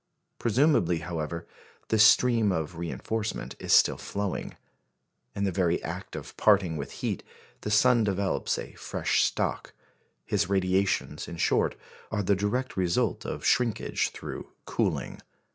Presumably, however, this stream of reinforcement is still flowing. In the very act of parting with heat, the sun develops a fresh stock. His radiations, in short, are the direct result of shrinkage through cooling.